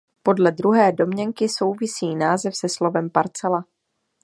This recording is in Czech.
Podle druhé domněnky souvisí název se slovem parcela.